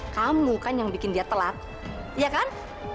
kamu kan yang bikin dia telat iya kan